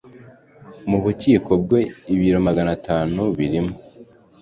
mu bubiko bwe ibiro magana atanu birimo